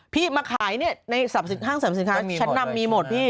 พี่มาขายเนี่ยสับสินค้างฉันนั้มมีหมดพี่